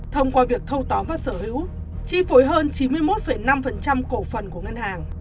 thông qua việc thâu tóm và sở hữu chi phối hơn chín mươi một năm cổ phần của ngân hàng